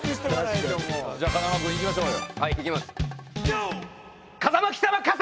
じゃあ風間君行きましょうよ。